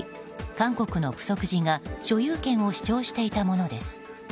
韓国の浮石寺が所有権を主張していたものです。